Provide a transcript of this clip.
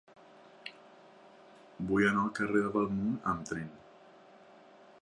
Vull anar al carrer de Bellmunt amb tren.